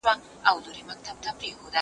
ایا ته کتاب لولې،